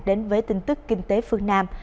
đến với tin tức kinh tế phương nam